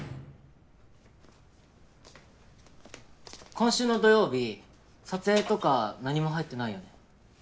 今週の土曜日撮影とか何も入ってないよね？